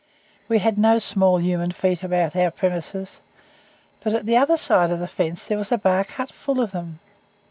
We had no small human feet about our premises, but at the other side of the fence there was a bark hut full of them.